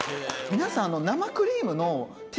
皆さん。